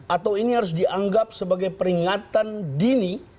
atau ini harus dianggap sebagai peringatan dini